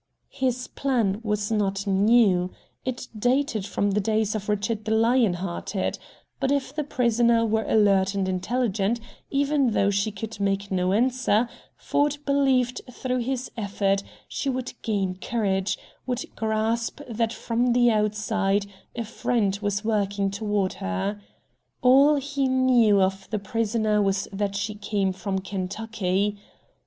His plan was not new. It dated from the days of Richard the Lion hearted. But if the prisoner were alert and intelligent, even though she could make no answer, Ford believed through his effort she would gain courage, would grasp that from the outside a friend was working toward her. All he knew of the prisoner was that she came from Kentucky.